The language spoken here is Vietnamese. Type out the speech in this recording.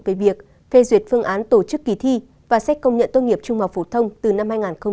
về việc phê duyệt phương án tổ chức kỳ thi và xét công nhận tốt nghiệp trung học phổ thông từ năm hai nghìn hai mươi năm